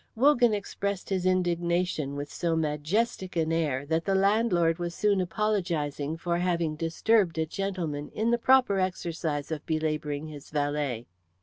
Wogan expressed his indignation with so majestic an air that the landlord was soon apologising for having disturbed a gentleman in the proper exercise of belabouring his valet.